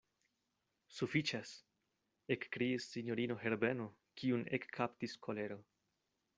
Sufiĉas, ekkriis sinjorino Herbeno, kiun ekkaptis kolero.